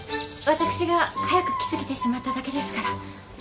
私が早く来過ぎてしまっただけですから。